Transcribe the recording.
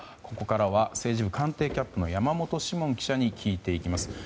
ここからは政治部官邸キャップの山本志門記者に聞いていきます。